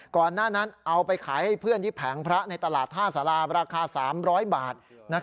ก่อนหน้านั้นเอาไปขายให้เพื่อนที่แผงพระในตลาดท่าสาราราคา๓๐๐บาท